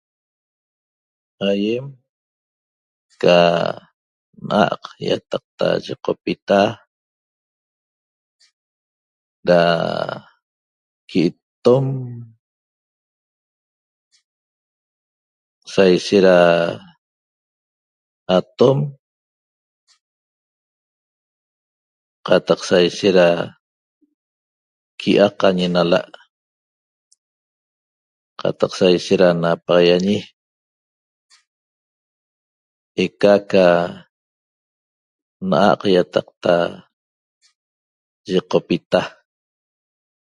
Aýem ca na'a'q ýataqta yiqopita da qui'ittom saishet da atom qataq saishet da qui'aq añi nala' qataq saishet da napaxaiañi ica ca na'a'q ýataqta yiqopita